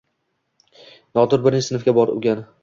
Nodir birinchi sinfga brogan